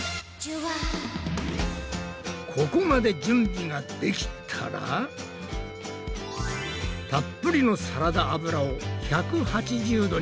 ここまで準備ができたらたっぷりのサラダ油を１８０℃に加熱。